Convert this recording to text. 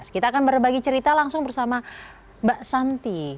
kita akan berbagi cerita langsung bersama mbak santi